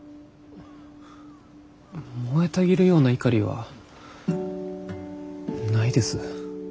燃えたぎるような怒りはないです。